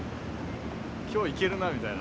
「今日いけるな」みたいな。